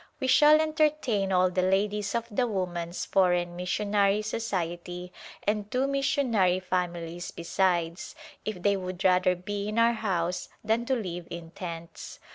We shall entertain all the ladies of the Woman's Foreign Missionary Society and two mis sionary families besides, if they would rather be in our house than to live in tents.